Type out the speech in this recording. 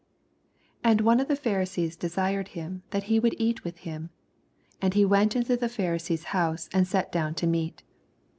86 An i out >f the Pharisees desired bim that ho would eat with him. And he went into the Pharisee's honso, and sat down to meat.